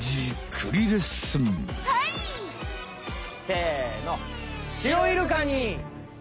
せの。